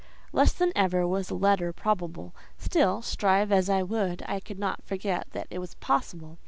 Less than ever was a letter probable; still, strive as I would, I could not forget that it was possible.